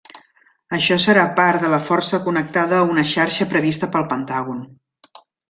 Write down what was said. Això serà part de la força connectada a una xarxa prevista pel Pentàgon.